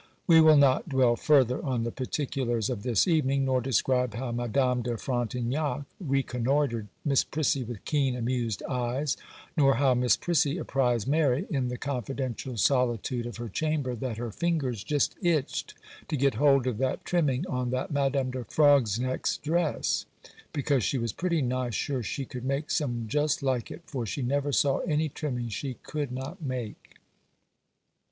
We will not dwell further on the particulars of this evening, nor describe how Madame de Frontignac reconnoitred Miss Prissy with keen, amused eyes; nor how Miss Prissy apprised Mary, in the confidential solitude of her chamber, that her fingers just itched to get hold of that trimming on that Madame de Frogsneck's dress, because she was pretty nigh sure she could make some just like it; for she never saw any trimming she could not make.